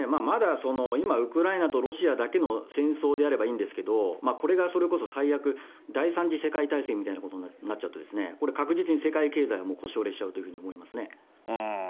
まだ今、ウクライナとロシアだけの戦争であればいいんですけど、これがそれこそ最悪、第３次世界大戦みたいなことになっちゃうと、これ、確実に世界経済は腰折れになっちゃうということですね。